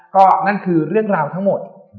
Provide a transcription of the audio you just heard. ก็นั่นคือเรื่องราวทั้งหมด